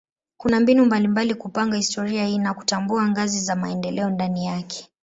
Kuna mbinu mbalimbali kupanga historia hii na kutambua ngazi za maendeleo ndani yake.